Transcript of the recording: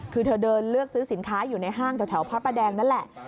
คือเธอเดินเลือกซื้อสินค้าอยู่ในห้างแถวพระประแดงนั่นแหละ